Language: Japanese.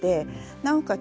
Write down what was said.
なおかつ